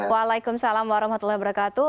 waalaikumsalam warahmatullahi wabarakatuh